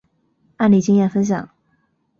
案例经验分享